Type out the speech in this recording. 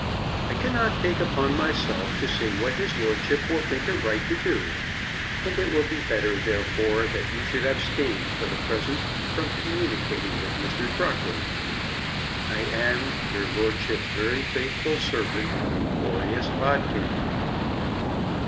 I cannot take upon myself to say what his lordship will think it right to do, and it will be better, therefore, that you should abstain for the present from communicating with Mr. Crocker. I am, Your lordship's very faithful servant, BOREAS BODKIN.